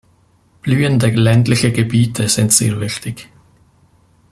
Blühende ländliche Gebiete sind sehr wichtig.